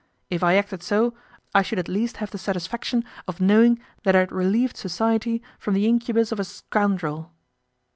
If I acted so, I should at least, have the satisfaction of knowing that I had relieved society from the incubus of a scoundrel.